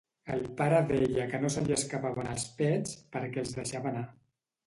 El pare deia que no se li escapaven els pets perquè els deixava anar